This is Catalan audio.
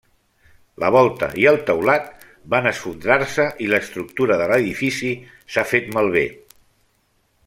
La volta i el teulat van esfondrar-se i l'estructura de l'edifici s'ha fet malbé.